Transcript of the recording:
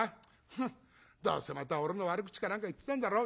フッどうせまた俺の悪口か何か言ってたんだろう？」。